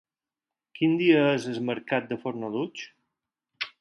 Quin dia és el mercat de Fornalutx?